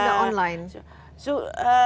itu sudah online